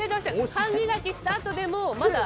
歯磨きした後でも、まだ。